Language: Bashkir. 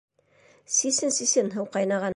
Сисен, сисен, һыу ҡайнаған!..